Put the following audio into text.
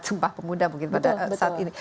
sumpah pemuda mungkin pada saat ini